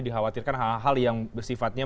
dikhawatirkan hal hal yang bersifatnya